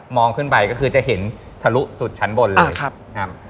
องขึ้นไปก็คือจะเห็นทะลุสุดชั้นบนเลยครับ